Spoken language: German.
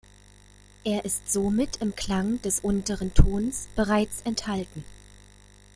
Er ist somit im Klang des unteren Tons bereits enthalten.